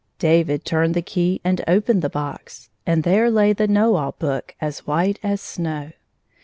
David turned the key and opened the box, and there lay the Know All Book as white as snow.